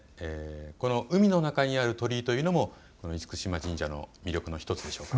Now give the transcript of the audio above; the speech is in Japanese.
海の中にある鳥居というのも厳島神社の魅力の１つでしょうか。